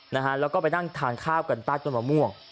นะฮะแล้วก็ไปนั่งทานข้าวกันใต้ต้นมะม่วง